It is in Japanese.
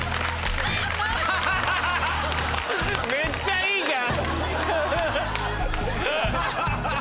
めっちゃいいじゃん！